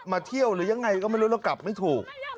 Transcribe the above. เที่ยวหรือยังไงก็ไม่รู้เรากลับไม่ถูก